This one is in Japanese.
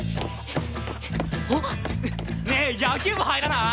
おっ？ねえ野球部入らない？